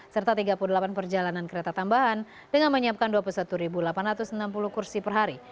serta tiga puluh delapan perjalanan kereta tambahan dengan menyiapkan dua puluh satu delapan ratus enam puluh kursi per hari